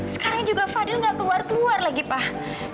sekarang juga fadil nggak keluar keluar lagi pak